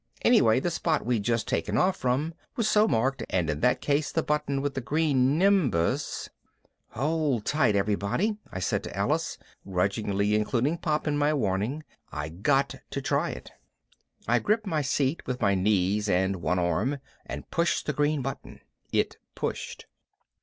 Anyway the spot we'd just taken off from was so marked and in that case the button with the green nimbus ... "Hold tight, everybody," I said to Alice, grudgingly including Pop in my warning. "I got to try it." I gripped my seat with my knees and one arm and pushed the green button. It pushed.